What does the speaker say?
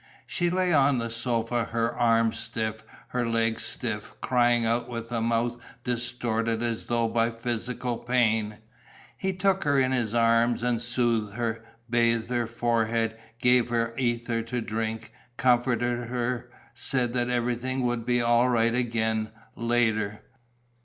She lay on the sofa, her arms stiff, her legs stiff, crying out with a mouth distorted as though by physical pain. He took her in his arms and soothed her, bathed her forehead, gave her ether to drink, comforted her, said that everything would be all right again later....